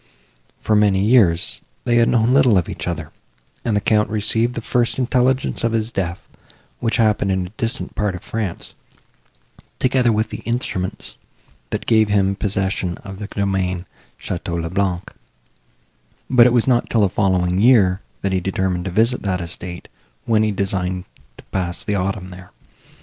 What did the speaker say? For many years, they had known little of each other, and the Count received the first intelligence of his death, which happened in a distant part of France, together with the instruments, that gave him possession of the domain Château le Blanc; but it was not till the following year, that he determined to visit that estate, when he designed to pass the autumn there.